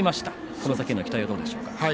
その先への期待はどうでしょうか。